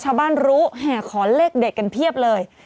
ชาวบ้านรู้แห่ขอเลขเด็ดกันเพียบเลย